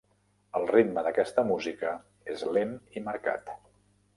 El ritme d'aquesta música és lent i marcat.